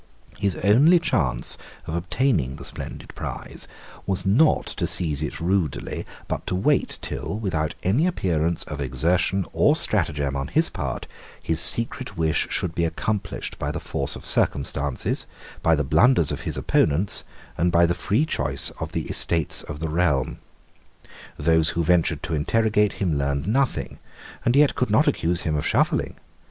His only chance of obtaining the splendid prize was not to seize it rudely, but to wait till, without any appearance of exertion or stratagem on his part, his secret wish should be accomplished by the force of circumstances, by the blunders of his opponents, and by the free choice of the Estates of the Realm. Those who ventured to interrogate him learned nothing, and yet could not accuse him of shuffling.